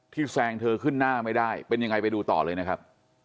แซงเธอขึ้นหน้าไม่ได้เป็นยังไงไปดูต่อเลยนะครับ